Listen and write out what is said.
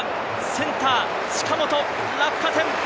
センター・近本、落下点。